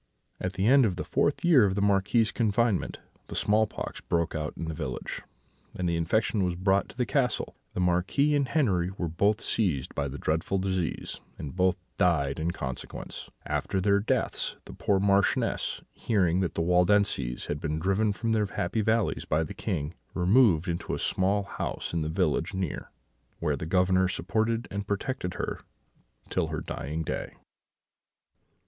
"At the end of the fourth year of the Marquis's confinement the small pox broke out in the village, and the infection was brought to the castle. The Marquis and Henri were both seized by the dreadful disease, and both died in consequence. After their deaths, the poor Marchioness, hearing that the Waldenses had been driven from their happy valleys by the King, removed into a small house in the village near, where the Governor supported and protected her till her dying day."